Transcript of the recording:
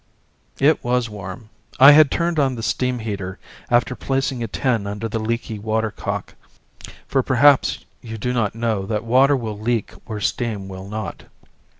It was warm. I had turned on the steam heater after placing a tin under the leaky water cock for perhaps you do not know that water will leak where steam will not.